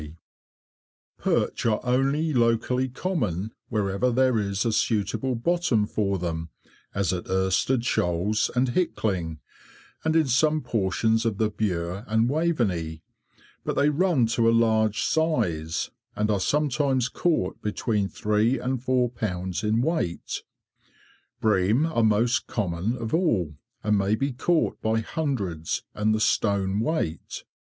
[Picture: Ormesby Broad—Landing stage] Perch are only locally common wherever there is a suitable bottom for them, as at Irstead Shoals and Hickling, and in some portions of the Bure and Waveney, but they run to a large size, and are sometimes caught between three and four pounds in weight. Bream are most common of all, and may be caught by hundreds and the stone weight.